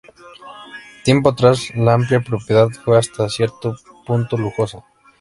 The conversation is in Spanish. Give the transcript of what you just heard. Tiempo atrás, la amplia propiedad fue hasta cierto punto lujosa.